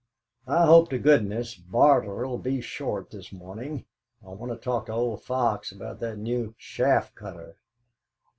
"I hope to goodness Barter'll be short this morning. I want to talk to old Fox about that new chaff cutter."